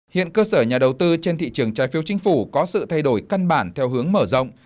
hiện cơ sở nhà đầu tư trên thị trường trái phiếu chính phủ có sự thay đổi căn bản theo hướng mở rộng